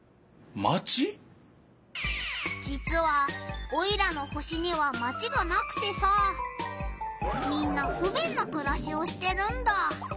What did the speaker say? じつはオイラの星にはマチがなくてさみんなふべんなくらしをしてるんだ。